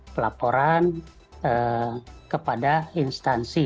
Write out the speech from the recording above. pelaporan kepada instansi